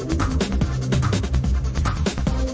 ไม่ใช่ไม่อยากเข้ามาหรอก